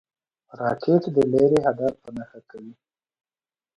راکټ د لرې هدف په نښه کوي